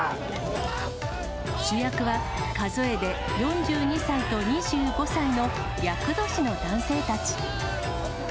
主役は、数えで４２歳と２５歳の厄年の男性たち。